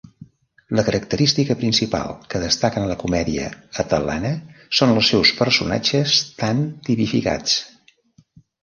La característica principal que destaca en la comèdia atel·lana són els seus personatges tan tipificats.